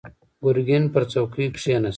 ګرګين پر څوکۍ کېناست.